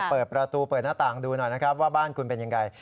เปิดประตูเปิดหน้าต่างดูหน่อยนะครับว่าบ้านคุณเป็นยังไง